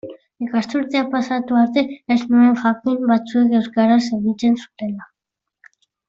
Ikasturtea pasatu arte ez nuen jakin batzuek euskaraz egiten zutela.